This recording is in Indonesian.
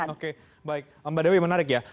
oke baik mbak dewi menarik ya